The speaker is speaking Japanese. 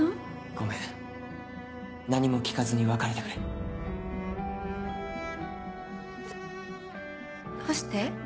ごめん何も聞かずに別れてくれどどうして？